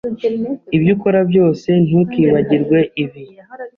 Ibyo ukora byose, ntukibagirwe ibi.